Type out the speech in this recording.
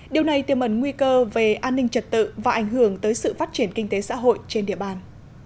điều này tiêm ẩn nguy cơ về an ninh trật tự và ảnh hưởng tới sự phát triển kinh tế xã hội trên địa bàn